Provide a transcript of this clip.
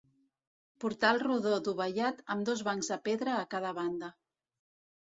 Portal rodó dovellat amb dos bancs de pedra a cada banda.